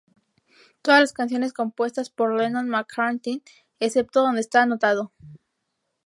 Todas las canciones compuestas por Lennon-McCartney, excepto donde esta anotado.